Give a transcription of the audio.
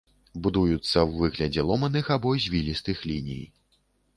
Будуюцца ў выглядзе ломаных або звілістых ліній.